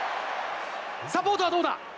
サポートはどうだ？